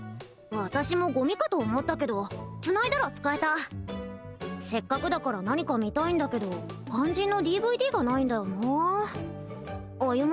私もゴミかと思ったけどつないだら使えたせっかくだから何か見たいんだけど肝心のＤＶＤがないんだよなあ歩